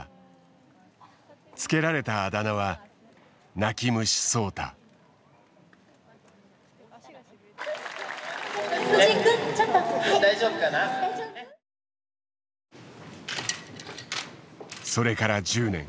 付けられたあだ名はそれから１０年。